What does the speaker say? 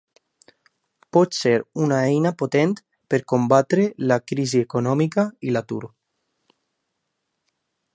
Pot ser una eina potent per combatre la crisi econòmica i l'atur.